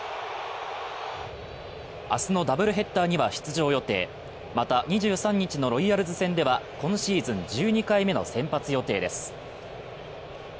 明日のダブルヘッダーには出場予定また２３日のロイヤルズ戦では今シーズン１２回目の先発予定です。